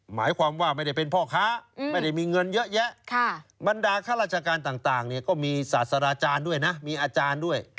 หมายความว่าไม่ได้เป็นพ่อค้าไม่ได้มีเงินเยอะแยะบรรดาข้าราชการต่างก็มีศาสตราจารย์ด้วยนะมีอาจารย์ด้วย